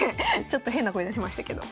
ちょっと変な声出しましたけど。